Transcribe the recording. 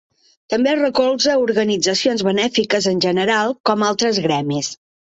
També recolza a organitzacions benèfiques en general, com altres gremis.